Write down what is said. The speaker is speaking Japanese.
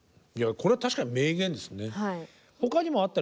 いやこれは確かに名言ですね。